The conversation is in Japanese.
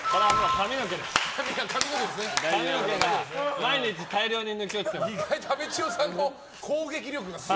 髪の毛が毎日大量に抜け落ちてます。